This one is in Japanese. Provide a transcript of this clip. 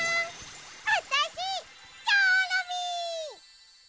あたしチョロミー。